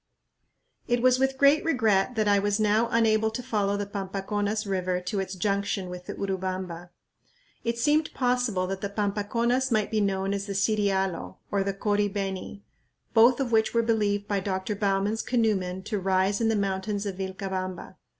It was with great regret that I was now unable to follow the Pampaconas River to its junction with the Urubamba. It seemed possible that the Pampaconas might be known as the Sirialo, or the Cori beni, both of which were believed by Dr. Bowman's canoe men to rise in the mountains of Vilcabamba.